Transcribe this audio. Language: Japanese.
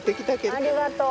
ありがとう。